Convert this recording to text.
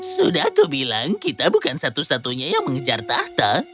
sudah kubilang kita bukan satu satunya yang mengejar tahta